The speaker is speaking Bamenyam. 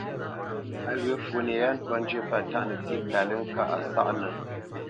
Á ghyə̂ fwo nye yâ ntwá njyə́ pə̂ tâʼ nətsí kalə́ŋ kâʼ a sáʼnə̄.